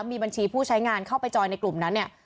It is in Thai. มีบัญชีผู้ใช้งานเข้าไปจอยในกลุ่มนั้นเนี่ย